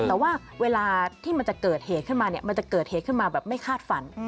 แต่ว่าเวลาที่มันจะเกิดเหตุขึ้นมาเนี่ยมันจะเกิดเหตุขึ้นมาแบบไม่คาดฝัน